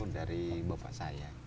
dari bapak saya